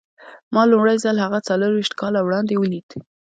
ما لومړی ځل هغه څلور ويشت کاله وړاندې وليد.